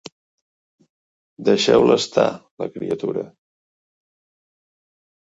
Deixeu-la estar, la criatura!